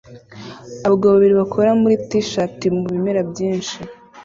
Abagabo babiri bakora muri t-shati mu bimera byinshi